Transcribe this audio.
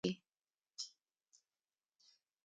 تضاد یو بل صنعت دئ، چي وینا ته ښکلا ورکوي.